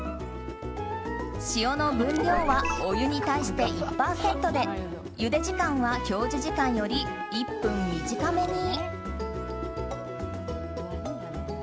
塩の分量は、お湯に対して１％でゆで時間は表示時間より１分短めに。